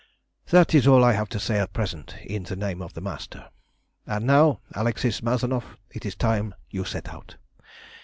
"That is all I have to say at present in the name of the Master. And now, Alexis Mazanoff, it is time you set out.